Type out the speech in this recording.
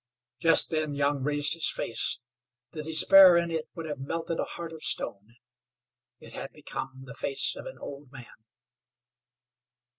Just then Young raised his face. The despair in it would have melted a heart of stone. It had become the face of an old man.